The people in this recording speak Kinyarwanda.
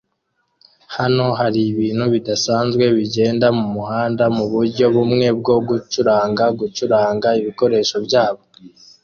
Hano haribintu bidasanzwe bigenda mumuhanda muburyo bumwe bwo gucuranga gucuranga ibikoresho byabo